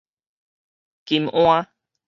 金鞍